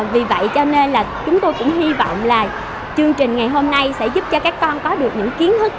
vì vậy cho nên là chúng tôi cũng hy vọng là chương trình ngày hôm nay sẽ giúp cho các con có được những kiến thức